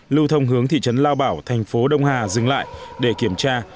lưu thông hướng thị trấn lao bảo thành phố đông hà dừng lại để kiểm tra